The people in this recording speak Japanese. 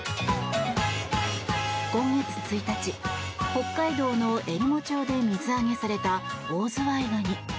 今月１日、北海道のえりも町で水揚げされたオオズワイガニ。